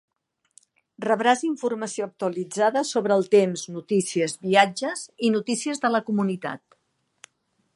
Rebràs informació actualitzada sobre el temps, notícies, viatges i noticies de la comunitat.